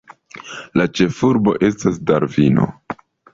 La ĉefurbo estas Darvino.